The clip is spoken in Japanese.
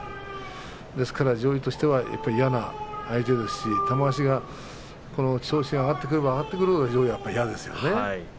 ですから上位としては嫌な相手です玉鷲は。調子が上がってくれば上がってくるほど上位は嫌ですね。